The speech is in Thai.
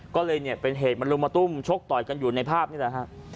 ก็เลยเนี่ยเป็นเหตุมาลุมมาตุ้มชกต่อยกันอยู่ในภาพนี่แหละฮะ